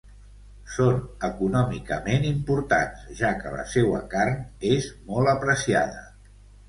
Són econòmicament importants, ja que la seua carn és molt apreciada.